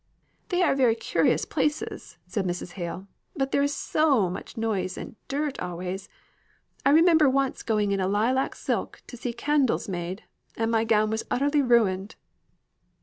"They are very curious places," said Mrs. Hale, "but there is so much noise and dirt always. I remember once going in a lilac silk to see candles made, and my gown was utterly ruined."